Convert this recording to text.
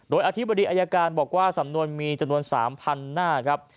โดยอธิบดีอายการบอกว่าสำนวนมีจำนวน๓๐๐หน้าครับ